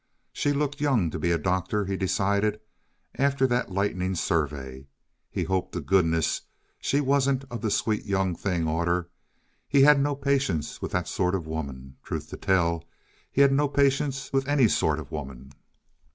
She looked young to be a doctor, he decided, after that lightning survey. He hoped to goodness she wasn't of the Sweet Young Thing order; he had no patience with that sort of woman. Truth to tell, he had no patience with ANY sort of woman.